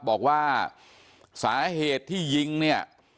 บอกว่าสาเหตุที่ยิงเนี่ย